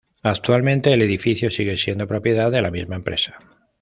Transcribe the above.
Actualmente el edificio sigue siendo propiedad de la misma empresa.